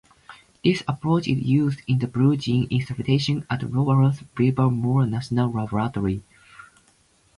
This approach is used in the Blue Gene installation at Lawrence Livermore National Laboratory.